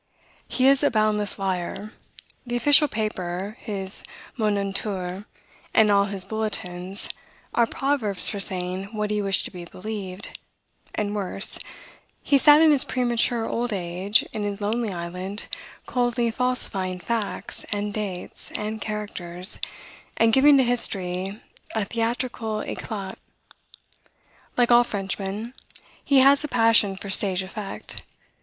He is a boundless liar. The official paper, his "Moniteurs," and all his bulletins, are proverbs for saying what he wished to be believed; and worse, he sat, in his premature old age, in his lonely island, coldly falsifying facts, and dates, and characters, and giving to history, a theatrical eclat. Like all Frenchmen, he has a passion for stage effect.